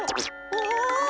お！